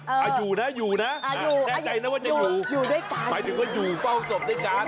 เอออยู่นะอยู่นะอยู่อยู่อยู่อยู่ด้วยกันหมายถึงว่าอยู่เฝ้าศพด้วยกัน